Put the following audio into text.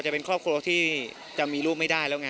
จะเป็นครอบครัวที่จะมีลูกไม่ได้แล้วไง